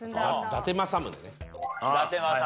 伊達政宗ね。